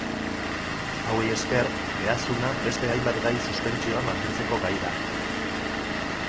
Hauei esker behazuna beste hainbat gai suspentsioan mantentzeko gai da.